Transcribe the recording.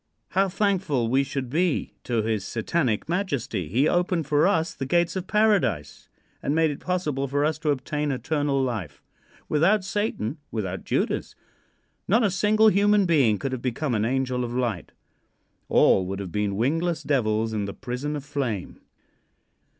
How thankful we should be to his Satanic Majesty. He opened for us the gates of Paradise and made it possible for us to obtain eternal life. Without Satan, without Judas, not a single human being could have become an angel of light. All would have been wingless devils in the prison of flame.